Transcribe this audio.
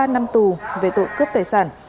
ba năm tù về tội cướp tài sản